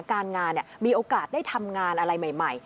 การงานมีโอกาสได้ทำงานอะไรใหม่